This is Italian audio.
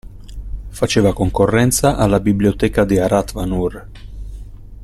Faceva concorrenza alla biblioteca di Arat Vanur.